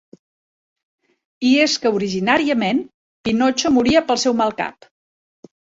I és que originàriament, Pinotxo moria pel seu mal cap.